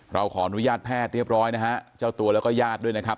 เราขออนุญาตแพทย์เรียบร้อยนะฮะเจ้าตัวแล้วก็ญาติด้วยนะครับ